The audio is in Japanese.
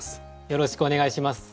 よろしくお願いします。